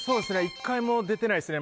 １回も出てないですね